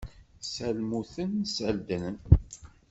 Sal mmuten sal ddren.